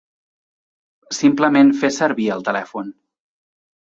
Simplement fes servir el telèfon.